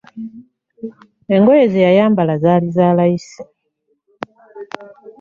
Engoye zeyayambala zaali za layisi